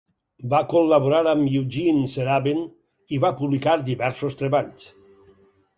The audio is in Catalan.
Va col·laborar amb Eugene Serabyn i va publicar diversos treballs.